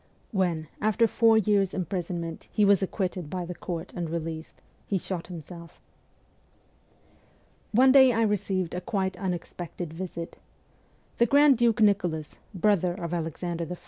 When, after four years' imprisonment, he w as acquitted by the court and released, he shot himself. One day I received a quite unexpected visit. The Grand Duke Nicholas, brother of Alexander II.